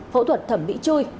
phẫu thuật thẩm mỹ chui